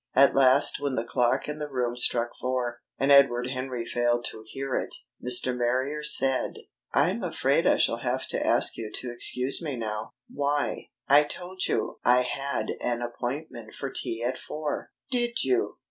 At last when the clock in the room struck four, and Edward Henry failed to hear it, Mr. Marrier said: "I'm afraid I shall have to ask you to excuse me now." "Why?" "I told you I had an appointment for tea at four." "Did you?